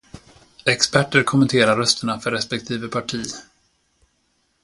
Experten kommenterar rösterna för respektive parti.